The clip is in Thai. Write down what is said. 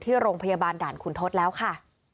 ที่โรงพยาบาลด่านขุนทศแล้วค่ะ